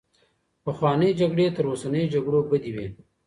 پخوانۍ جګړې تر اوسنيو جګړو بدې وې.